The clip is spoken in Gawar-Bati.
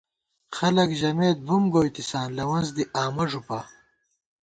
خلَک ژَمېت بُم گوئیتِساں، لوَنس دِی آمہ ݫُپا